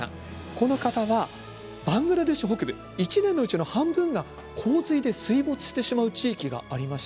この方はバングラデシュ北部で１年のうちの半分が洪水で水没してしまう地域があります。